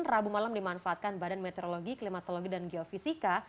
rabu malam dimanfaatkan badan meteorologi klimatologi dan geofisika